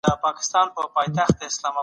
د زعفرانو بوی ډېر نازک دی.